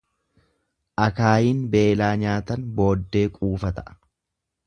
Akaayiin beelaa nyaatan booddee quufa ta'a.